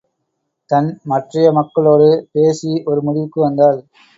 தன் மற்றைய மக்களோடு பேசி ஒரு முடிவுக்கு வந்தாள்.